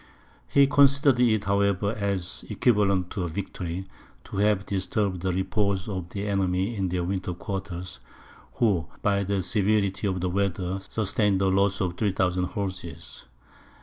He considered it, however, as equivalent to a victory, to have disturbed the repose of the enemy in their winter quarters, who, by the severity of the weather, sustained a loss of 3000 horses.